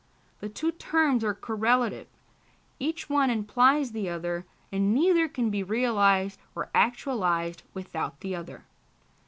The two terms are correlative; each one implies the other, and neither can be realised or actualised without the other.